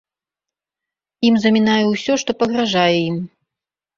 Ім замінае ўсё, што пагражае ім.